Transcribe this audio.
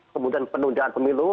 kemudian penundaan pemilu